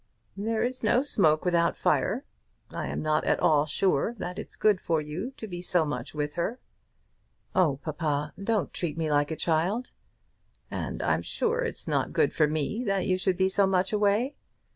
"There is no smoke without fire. I am not at all sure that it's good for you to be so much with her." "Oh, papa, don't treat me like a child." "And I'm sure it's not good for me that you should be so much away.